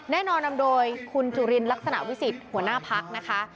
แน่นอนนำโดยคุณจุลินลักษณะวิสิทธิ์หัวหน้าพักนะคะ